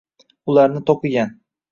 Ularni to’qigan